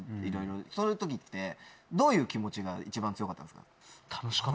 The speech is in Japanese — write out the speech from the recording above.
そういう時ってどういう気持ちが一番強かったんですか？